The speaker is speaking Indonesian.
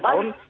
apa yang tidak